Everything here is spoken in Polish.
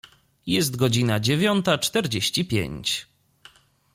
Jest godzina dziewiąta czterdzieści pięć.